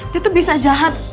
dia tuh bisa jahat